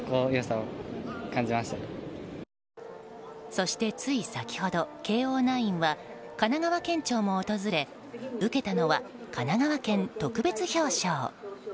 そして、つい先ほど慶應ナインは神奈川県庁も訪れ受けたのは神奈川県特別表彰。